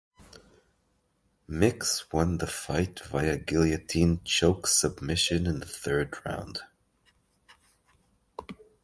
Mix won the fight via guillotine choke submission in the third round.